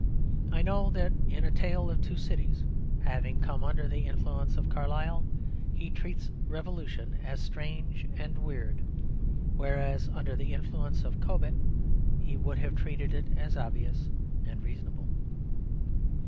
I know that in A Tale of Two Cities, having come under the influence of Carlyle, he treats revolution as strange and weird, whereas under the influence of Cobbett he would have treated it as obvious and reasonable.